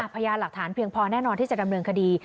พยานหลักฐานเพียงพอแน่นอนที่จะดำเนินคดี